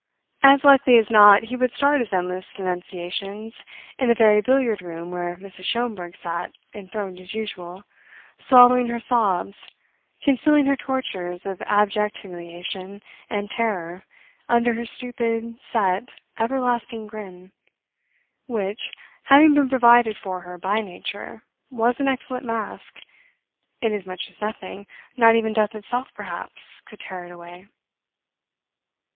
As likely as not he would start his endless denunciations in the very billiard room where Mrs. Schomberg sat enthroned as usual, swallowing her sobs, concealing her tortures of abject humiliation and terror under her stupid, set, everlasting grin, which, having been provided for her by nature, was an excellent mask, in as much as nothing not even death itself, perhaps could tear it away.